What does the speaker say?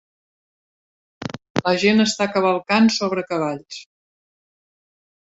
La gent està cavalcant sobre cavalls.